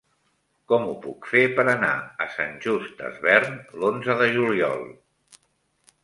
Com ho puc fer per anar a Sant Just Desvern l'onze de juliol?